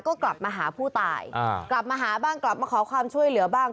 ก็กลับมาหาผู้ตายกลับมาหาบ้างกลับมาขอความช่วยเหลือบ้าง